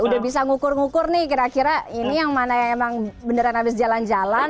udah bisa ngukur ngukur nih kira kira ini yang mana yang emang beneran abis jalan jalan